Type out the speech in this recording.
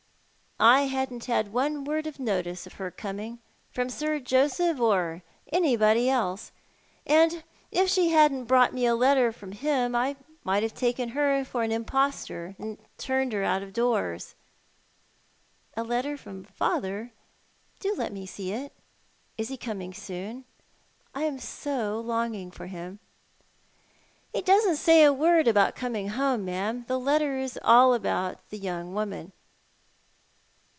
I hadn't had one word of notice of her coming, from Sir Joseph or anybody else; and if she hadn't brought me a letter from him I might have taken her for an impostor, and turned her out of doors." "A letter from father? Do let me see it. Is he coming soon ? I am so longing for him." "He doesn't say a word about coming home, ma'am. The letter is all about the young woman."